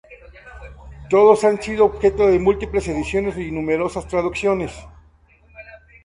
Todos han sido objeto de múltiples ediciones y numerosas traducciones.